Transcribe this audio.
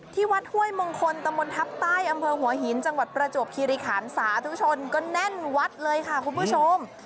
ที่วัดห้วยมงคลตะมนต์ทัพใต้อำเภอหัวหินจังหวัดประจวบคิริขันสาธุชนก็แน่นวัดเลยค่ะคุณผู้ชม